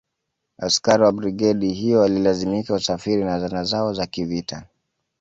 Askari wa brigedi hiyo walilazimika kusafiri na zana zao za kivita